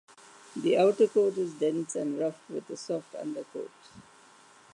The outercoat is dense and rough with a soft undercoat.